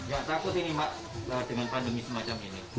nggak takut ini mak dengan pandemi semacam ini